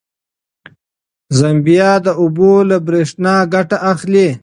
زمبیا د اوبو له برېښنا ګټه اخلي.